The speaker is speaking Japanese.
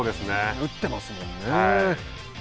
打ってますもんね。